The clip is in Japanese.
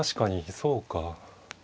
そうか。